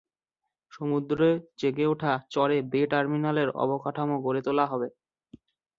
সমুদ্রে জেগে ওঠা চরে বে-টার্মিনালের অবকাঠামো গড়ে তোলা হবে।